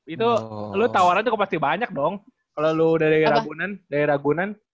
itu lu tawaran cukup pasti banyak dong kalau lu dari ragunan